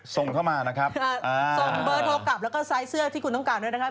ส่งเบอร์โทรกลับแล้วก็ไซส์เสื้อที่คุณต้องการด้วยนะครับ